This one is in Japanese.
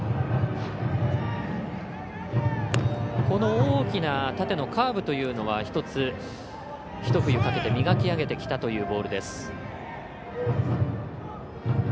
この大きな縦のカーブというのは１つ、ひと冬かけて磨き上げてきたというボールです。